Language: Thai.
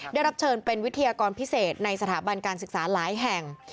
ได้รับเชิญเป็นวิทยากรพิเศษในสถาบันการศึกษาหลายแห่ง